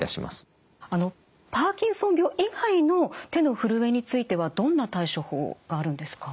あのパーキンソン病以外の手のふるえについてはどんな対処法があるんですか？